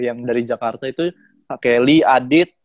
yang dari jakarta itu pak kelly adit